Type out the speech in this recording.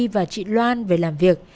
và chị loan về làm việc